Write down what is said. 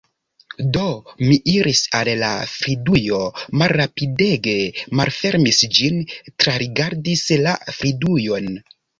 Do mi iris al la fridujo, malrapidege malfermis ĝin, trarigardis la fridujon...